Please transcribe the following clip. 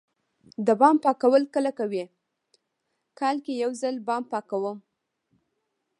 د بام پاکول کله کوئ؟ کال کې یوځل بام پاکوم